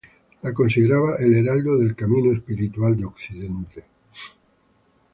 Lo consideraba "el Heraldo del camino espiritual de Occidente".